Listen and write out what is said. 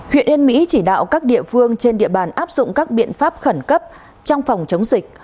huyện yên mỹ chỉ đạo các địa phương trên địa bàn áp dụng các biện pháp khẩn cấp trong phòng chống dịch